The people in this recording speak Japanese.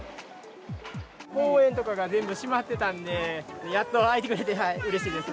公園とかが全部閉まってたんで、やっと開いてくれてうれしいです。